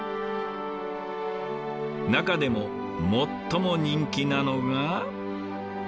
中でも最も人気なのが。